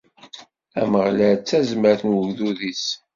Ameɣlal d tazmert n wegdud-is.